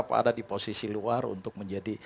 ada di posisi luar untuk menjadi